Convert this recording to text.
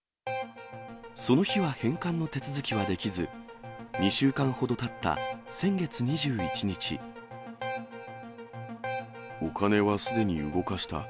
その日は返還の手続きはできず、２週間ほどたった先月２１日、お金はすでに動かした。